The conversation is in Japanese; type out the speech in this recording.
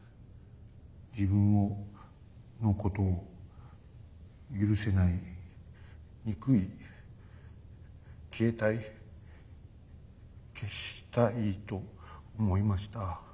自分をのことを許せない憎い消えたい消したいと思いました。